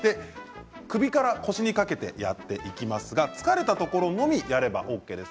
首から腰にかけてやっていきますが疲れたところのみやればＯＫです。